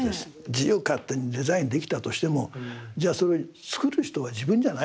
自由勝手にデザインできたとしてもじゃあそれ造る人は自分じゃないのよね。